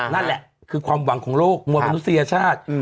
นั่นแหละคือความหวังของโลกมวลมนุษยชาติ